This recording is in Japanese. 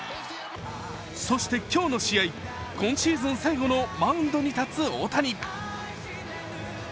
そして、今日の試合、今シーズン最後のマウンドに立つ大谷。